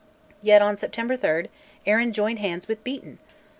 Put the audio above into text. Yet on September 3 Arran joined hands with Beaton!